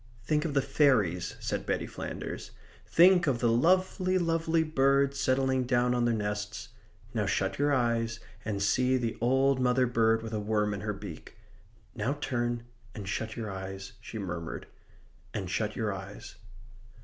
"Think of the fairies," said Betty Flanders. "Think of the lovely, lovely birds settling down on their nests. Now shut your eyes and see the old mother bird with a worm in her beak. Now turn and shut your eyes," she murmured, "and shut your eyes."